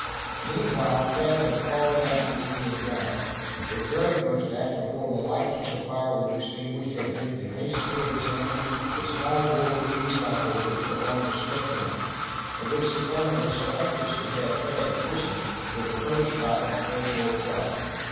Meanwhile Thad had followed after the Indian guide. His very first act, before the light of the fire was extinguished, had been to hastily examine the small bore repeating rifle which belonged to Step Hen, and which the owner was so anxious to have Thad christen with the first shot, at game worth while.